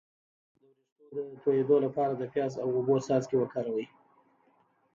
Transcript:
د ویښتو د تویدو لپاره د پیاز او اوبو څاڅکي وکاروئ